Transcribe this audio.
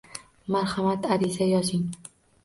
Marhamat, ariza yozing.